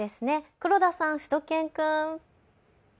黒田さん、しゅと犬くん。